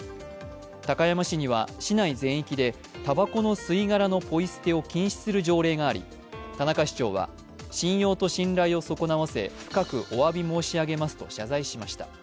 高山市には市内全域でたばこの吸い殻のポイ捨てを禁止する条例があり、田中市長は信用と信頼を損なわせ深くおわび申し上げますと謝罪しました。